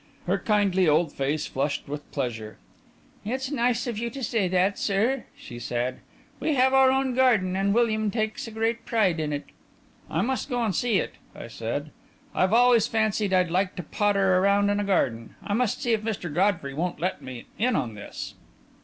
Her kindly old face flushed with pleasure. "It's nice of you to say that, sir," she said. "We have our own garden, and William takes a great pride in it." "I must go and see it," I said. "I've always fancied I'd like to potter around in a garden. I must see if Mr. Godfrey won't let me in on this."